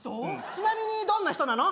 ちなみにどんな人なの？